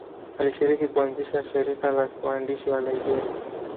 Alishiriki kuanzisha shirika la waandishi wa Liberia.